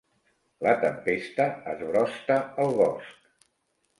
La tempesta esbrosta el bosc.